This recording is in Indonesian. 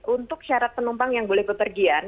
untuk syarat penumpang yang boleh bepergian